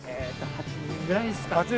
８人ぐらいでね。